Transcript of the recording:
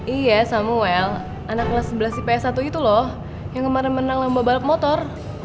iya samuel anak kelas sebelas ps satu itu loh yang kemarin menang lomba balap motor